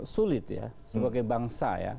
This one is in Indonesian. sulit ya sebagai bangsa ya